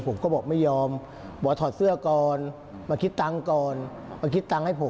ผมก็บอกไม่ยอมบอกถอดเสื้อก่อนมาคิดตังค์ก่อน